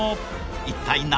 一体何？